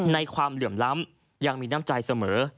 ความเหลื่อมล้ำยังมีน้ำใจเสมอ